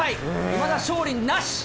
いまだ勝利なし。